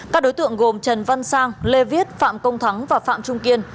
các đối tượng gồm trần văn sang lê viết phạm công thắng và phạm trung kiên